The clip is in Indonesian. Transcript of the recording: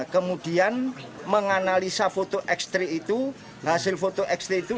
kemudian menganalisa foto ekstri itu hasil foto ekstri itu